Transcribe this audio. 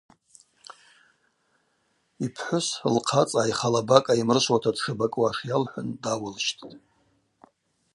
Йпхӏвыс лхъацӏа айха лаба кӏайымрышвуата дшабакӏуаш йалхӏвын дауылщттӏ.